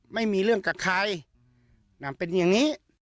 ไม่มีเรื่องกับใครมันเป็นอย่างนี้